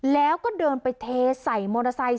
แล้วก็เดินไปเทใส่มอเตอร์ไซค์